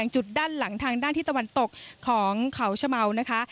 จุดด้านหลังทางด้านที่ตะวันตกของเขาชะเมานะคะ